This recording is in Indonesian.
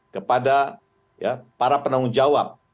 kepada para penanggung jawab